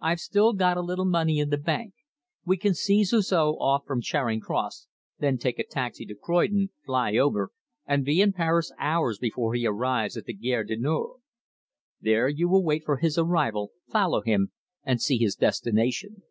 I've still got a little money in the bank. We can see Suzor off from Charing Cross, then take a taxi to Croydon, fly over, and be in Paris hours before he arrives at the Gare du Nord. There you will wait for his arrival, follow him and see his destination."